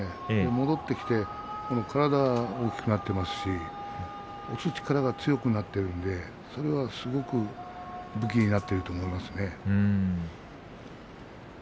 戻ってきて体が大きくなっていますし押す力が強くなっているのでそれはすごく武器になっていると思いますね。